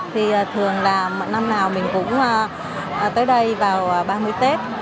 thì thường là năm nào mình cũng tới đây vào ba mươi tết